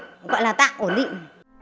gọi là tạm ổn định